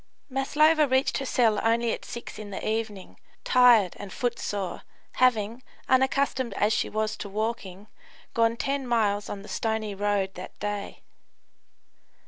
Maslova reached her cell only at six in the evening, tired and footsore, having, unaccustomed as she was to walking, gone 10 miles on the stony road that day.